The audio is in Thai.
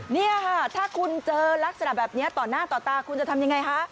นี่ค่ะถ้าคุณเจอลักษณะแบบนี้ต่อหน้าต่อตาคุณจะทำยังไงคะ